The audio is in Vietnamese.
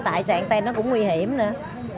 tại xài anten nó cũng nguy hiểm nữa